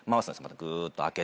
またグーッと開けて。